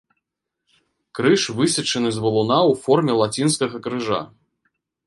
Крыж высечаны з валуна ў форме лацінскага крыжа.